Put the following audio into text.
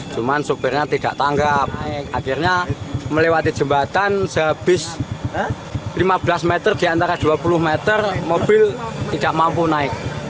cuman sopirnya tidak tangkap akhirnya melewati jembatan sehabis lima belas meter di antara dua puluh meter mobil tidak mampu naik